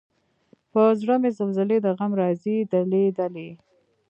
پۀ زړۀ مې زلزلې د غم راځي دلۍ، دلۍ